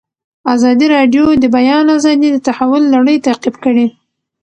ازادي راډیو د د بیان آزادي د تحول لړۍ تعقیب کړې.